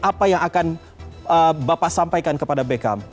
apa yang akan bapak sampaikan kepada beckham